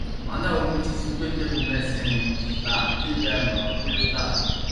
Манай өвгөн чинь сүүхээтэй хүн байсандаа л тийм байранд орохгүй юу даа.